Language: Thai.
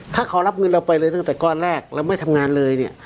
ถ้าเขารับเงินเราไปเลยตั้งแต่ก้อนแรกเราไม่ทำงานเลยเนี่ย